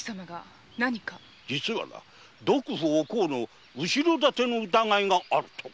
実はな毒婦お甲の後ろ盾の疑いがあるとか。